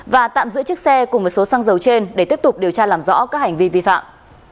và tạm giữ chiếc xe cùng với số xăng dầu trên để tiếp tục điều tra làm rõ các hành vi vi phạm